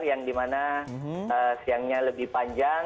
yang dimana siangnya lebih panjang